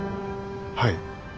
はい。